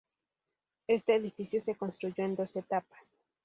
Este edificio se construyó en dos etapas.